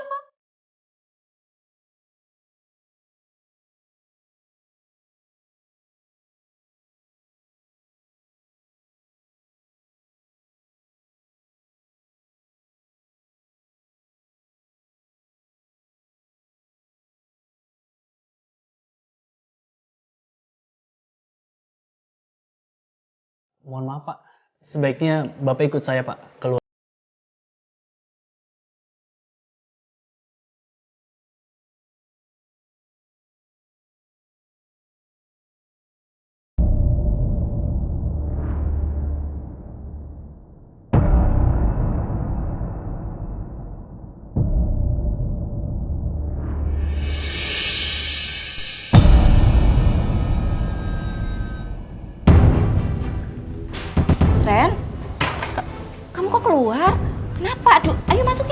butuh aga yang bisa dibayar